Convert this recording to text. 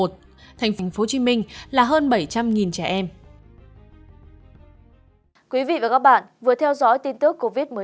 tp hcm là hơn bảy trăm linh trẻ em